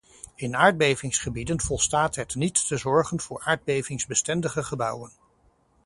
In aardbevingsgebieden volstaat het niet te zorgen voor aardbevingsbestendige gebouwen.